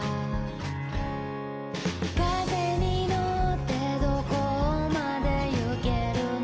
「風に乗ってどこまで行けるの？」